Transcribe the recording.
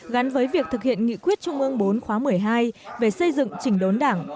gắn với việc thực hiện nghị quyết trung ương bốn khóa một mươi hai về xây dựng chỉnh đốn đảng